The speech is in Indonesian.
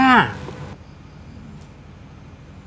paksa ya pak komar